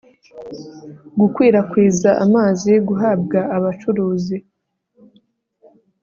gukwirakwiza amazi ruhabwa abacuruzi